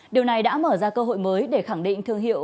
điều này đã mở ra cơ hội mới để khẳng định thương hiệu